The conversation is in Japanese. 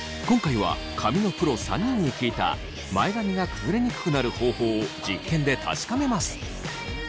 今回は髪のプロ３人に聞いた前髪が崩れにくくなる方法を実験で確かめます。